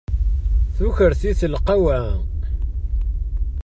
Tukert-it lqawɛa.